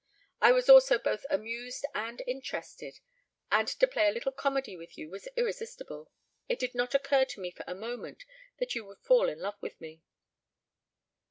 I was also both amused and interested, and to play a little comedy with you was irresistible. It did not occur to me for a moment that you would fall in love with me.